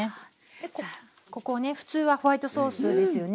ここね普通はホワイトソースですよね